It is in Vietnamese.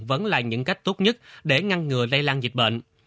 vẫn là những cách tốt nhất để ngăn ngừa lây lan dịch bệnh